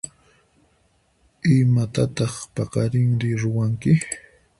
Imatataq paqarinri ruwanki?